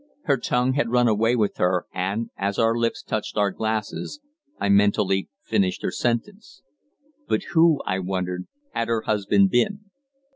Her tongue had run away with her, and, as our lips touched our glasses, I mentally finished her sentence. But who, I wondered, had her husband been?